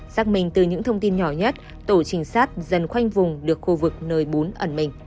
xác minh từ những thông tin nhỏ nhất tổ trinh sát dần khoanh vùng được khu vực nơi bốn ẩn mình